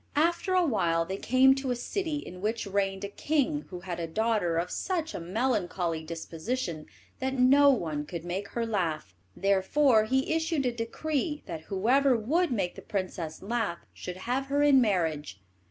After awhile they came to a city in which reigned a king who had a daughter of such a melancholy disposition that no one could make her laugh; therefore he issued a decree that whoever would make the princess laugh should have her in marriage.